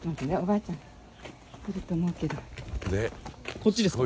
こっちですか？